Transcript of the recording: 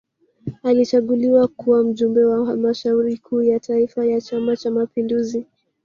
Alichaguliwa kuwa Mjumbe wa Halmashauri Kuu ya Taifa ya Chama cha Mapinduzi